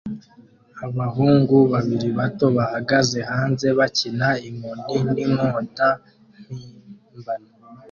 Abahungu babiri bato bahagaze hanze bakina inkoni n'inkota mpimbano